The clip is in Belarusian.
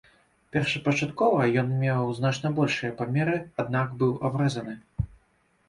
Першапачаткова ён меў значна большыя памеры, аднак быў абрэзаны.